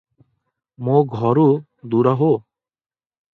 ମୋ ଘରୁ ଦୂର ହୋ!